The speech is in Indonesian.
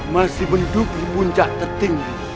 masih mendupi puncak tertinggi